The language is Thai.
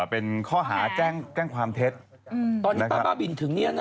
เป็นข้อหาแจ้งแจ้งความเท็จตอนนี้ป้าบ้าบินถึงเนี่ยนะ